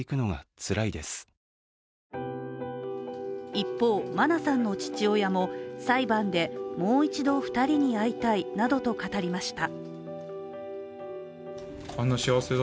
一方、真菜さんの父親も裁判でもう一度、２人に会いたいなどと語りました。